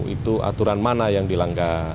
itu aturan mana yang dilanggar